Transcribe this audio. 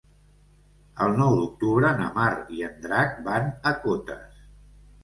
El nou d'octubre na Mar i en Drac van a Cotes.